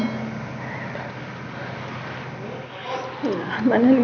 jangan mikirin yang lain